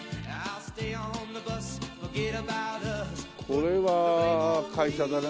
これは会社だね。